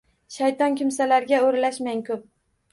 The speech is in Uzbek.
Shayton kimsalarga o’ralashmang ko’p.